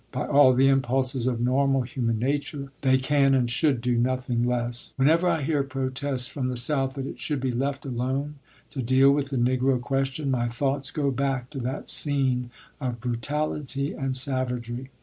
By all the impulses of normal human nature they can and should do nothing less. Whenever I hear protests from the South that it should be left alone to deal with the Negro question, my thoughts go back to that scene of brutality and savagery.